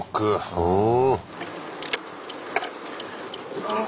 うん。